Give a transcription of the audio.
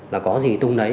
là có gì tung đấy